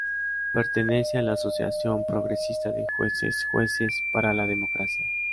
Pertenece a la asociación progresista de jueces Jueces para la Democracia.